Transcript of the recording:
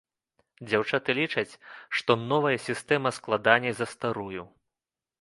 Дзяўчаты лічаць, што новая сістэма складаней за старую.